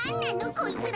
こいつら。